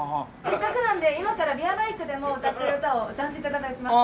せっかくなので今からビアバイクでも歌ってる歌を歌わせて頂きます。